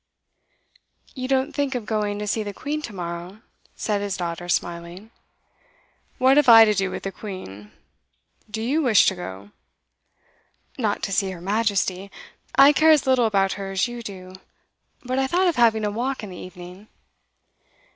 'You don't think of going to see the Queen to morrow?' said his daughter, smiling. 'What have I to do with the Queen? Do you wish to go?' 'Not to see Her Majesty. I care as little about her as you do. But I thought of having a walk in the evening.